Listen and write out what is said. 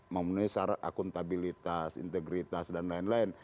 memenuhi syarat akuntabilitas integritas dan lain lain